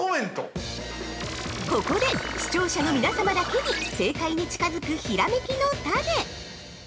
◆ここで、視聴者の皆様だけに正解に近づくひらめきのタネ！